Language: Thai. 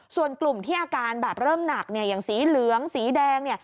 ส่วนกลุ่มที่อาการแบบเริ่มหนักอย่างสีเหลืองสีแดงเนี่ย